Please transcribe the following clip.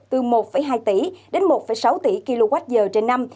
từ một hai tỷ đến một sáu tỷ kwh trên năm